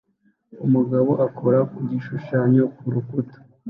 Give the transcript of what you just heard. Umugabo akora ku gishushanyo ku rukuta